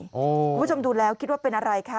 คุณผู้ชมดูแล้วคิดว่าเป็นอะไรคะ